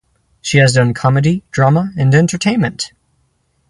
She has done comedy, drama and entertainment.